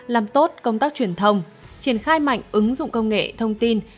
làm tốt công tác truyền thông triển khai mạnh ứng dụng công nghệ thông tin